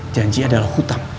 janji adalah hutang